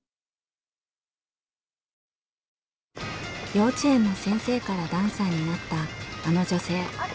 幼稚園の先生からダンサーになったあの女性。